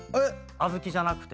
小豆じゃなくて。